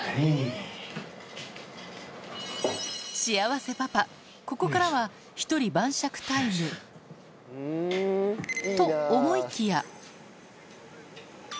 幸せパパ、ここからは１人晩酌タイム、と思いきや。